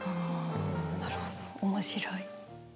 なるほど面白い。